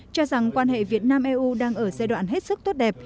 cho rằng quan hệ việt nam eu đang ở giai đoạn hết sức tốt đẹp